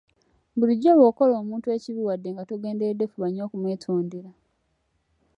Bulijjo bw’okola omuntu ekibi wadde nga togenderedde fuba nnyo okumwetondera.